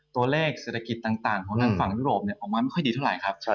ตัวเลขเศรษฐกิจต่างของทางฝั่งยุโรปออกมาไม่ค่อยดีเท่าไหร่ครับ